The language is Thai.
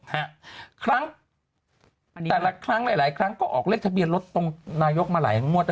แต่ละครั้งก็ออกเลขทะเบียนรถตรงนายกมาหลายงวด